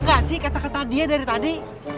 bukannya sih kata katanya dia dari tadi